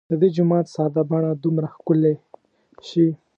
د دې جومات ساده بڼه دومره ښکلې شي.